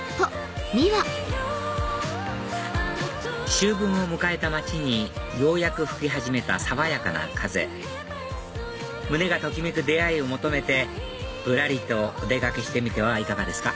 秋分を迎えた街にようやく吹き始めた爽やかな風胸がときめく出会いを求めてぶらりとお出かけしてみてはいかがですか？